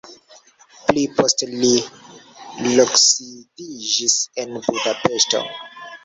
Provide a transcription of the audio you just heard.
Pli poste li loksidiĝis en Budapeŝto.